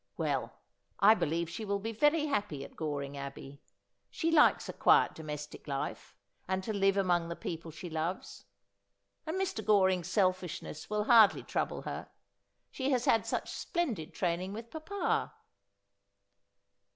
Well, I believe she will be very happy at Goring Abbey. She likes a quiet domestic life, and to live among the people she loves. And Mr. Goring's selfishness will hardly trouble her. She has had such splendid training with papa.'